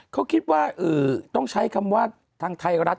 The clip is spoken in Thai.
เขาคิดว่าต้องใช้คำว่าทางไทยรัฐ